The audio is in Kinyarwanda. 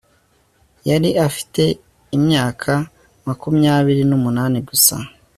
yari afite imyaka makumyabiri n'umunani gusa